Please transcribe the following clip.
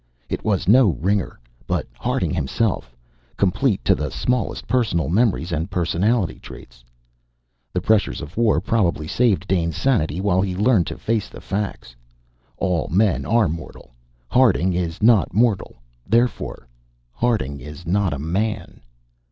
It was no ringer, but Harding himself, complete to the smallest personal memories and personality traits. The pressures of war probably saved Dane's sanity while he learned to face the facts. All men are mortal; Harding is not mortal; therefore, Harding is not a man!